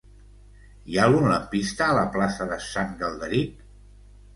Hi ha algun lampista a la plaça de Sant Galderic?